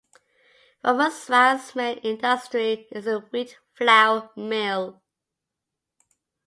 Ramotswa's main industry is a wheat flour mill.